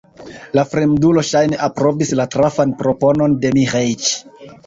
La fremdulo, ŝajne, aprobis la trafan proponon de Miĥeiĉ.